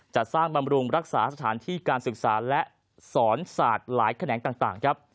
จัดสร้างบำรุงรักษาสถานที่การศึกษาและสอนศาสตร์หลายแขนงต่างครับ